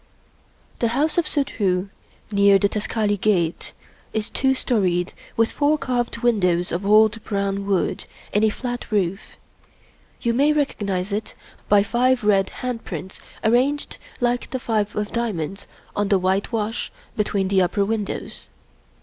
The house of Suddhoo, near the Taksali Gate, is two storied, with four carved windows of old brown wood, and a flat roof. You may recognize it by five red hand prints arranged like the Five of Diamonds on the white wash between the upper windows.